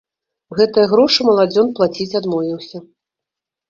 Гэтыя грошы маладзён плаціць адмовіўся.